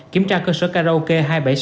kiểm tra cơ sở karaoke hai trăm bảy mươi sáu